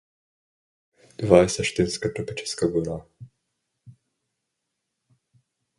Това е същинска тропическа гора.